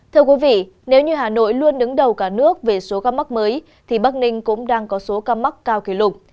thưa quý vị nếu như hà nội luôn đứng đầu cả nước về số ca mắc mới thì bắc ninh cũng đang có số ca mắc cao kỷ lục